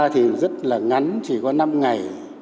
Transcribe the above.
thì rất là ngắn chỉ có năm ngày